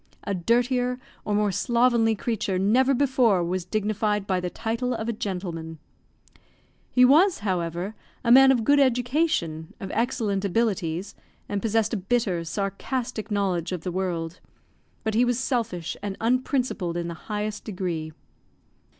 A dirtier or more slovenly creature never before was dignified by the title of a gentleman. He was, however, a man of good education, of excellent abilities, and possessed a bitter, sarcastic knowledge of the world; but he was selfish and unprincipled in the highest degree.